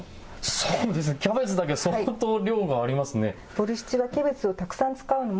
そうですね、キャベツだけ相当、量がありますね。